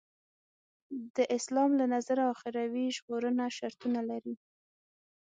د اسلام له نظره اخروي ژغورنه شرطونه لري.